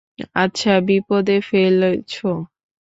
আচ্ছা বিপদে ফেলেছ।